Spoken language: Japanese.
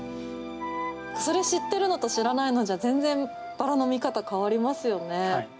それ知ってるのと知らないのじゃバラの見方変わりますよね。